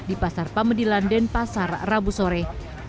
di pasar pamedilan dan pasar rabu sore